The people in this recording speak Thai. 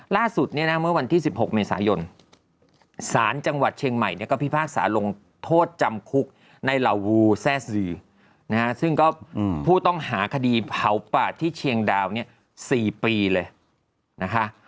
ล่าสุดเนี่ยนะเมื่อวันที่๑๖เมษายนศาลจังหวัดเชียงใหม่เนี่ยก็พิพากษาลงโทษจำคุกในเหล่าูแซ่ซือนะฮะซึ่งก็ผู้ต้องหาคดีเผาป่าที่เชียงดาวเนี่ย๔ปีเลยนะคะ